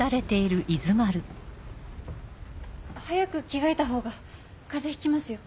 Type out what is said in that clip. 早く着替えたほうが風邪ひきますよ。